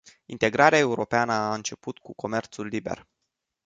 Integrarea europeană a început cu comerțul liber.